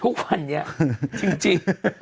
ทุกวันนี้จริง